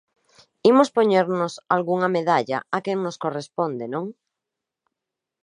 Imos poñernos algunha medalla a quen nos corresponde, ¿non?